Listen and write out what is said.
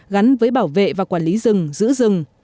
gắn với bảo vệ và quản lý rừng giữ rừng